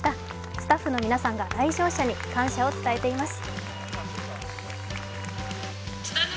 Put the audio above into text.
スタッフの皆さんが来場者に感謝を伝えています。